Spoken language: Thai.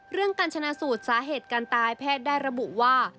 เรื่องกัญชนสูตรสาเหตุการตายแพทย์ได้ระบุว่า